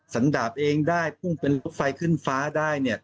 ดาบเองได้พุ่งเป็นรถไฟขึ้นฟ้าได้เนี่ย